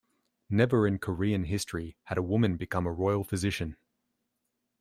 Never in Korean history had a woman become a royal physician.